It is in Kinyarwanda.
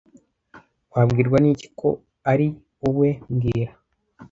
Wabwirwa n'iki ko ari uwe mbwira